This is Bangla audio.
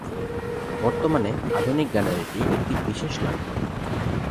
বর্তমানে আধুনিক গানের এটি একটি বিশেষ লক্ষণ।